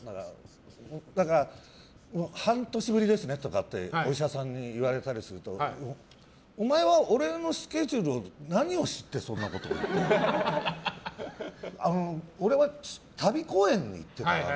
だから半年ぶりですねとかお医者さんに言われたりするとお前は俺のスケジュールの何を知ってそんなことを言ってんだと。